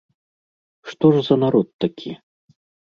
Што ж за народ такі?